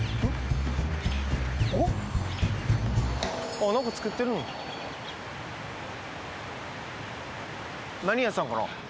あっなんか作ってる何屋さんかな？